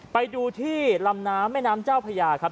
ไปดูที่ลำน้ำแม่น้ำเจ้าพญาครับ